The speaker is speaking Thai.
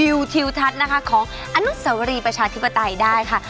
พังหลักร้อยที่สามารถมองเห็นวิวทิวทัศน์นะคะของอนุสาวรีประชาธิปไตยได้ค่ะ